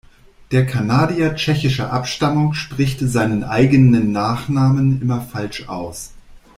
Der Kanadier tschechischer Abstammung spricht seinen eigenen Nachnamen immer falsch aus.